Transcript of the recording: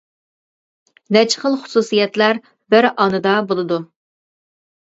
نەچچە خىل خۇسۇسىيەتلەر بىر ئانىدا بولىدۇ.